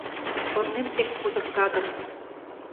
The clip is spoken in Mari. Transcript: Корнем тек кудыр-кадыр –